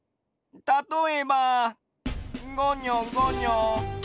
たとえばごにょごにょ。